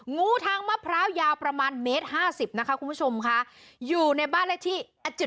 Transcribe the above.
งูทางมะพร้าวยาวประมาณเมตร๕๐นะคะคุณผู้ชมค่ะอยู่ในบ้านเลขที่